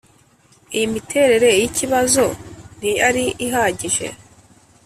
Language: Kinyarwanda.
iyi miterere y' ikibazo ntiyari ihagije